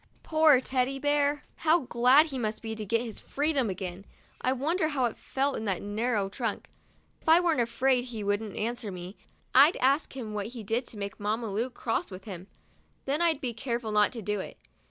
Poor Teddy Bear, how glad he must be to get his freedom again ! I wonder how it felt in that narrow trunk. If I weren't afraid he wouldn't answer me, I'd ask him what he did to make Mamma Lu cross with him; then I'd be careful not to do it.